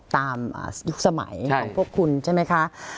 ยุคสมัยของพวกคุณใช่ไหมคะ